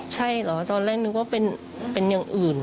ใช่เหรอตอนแรกนึกว่าเป็นอย่างอื่น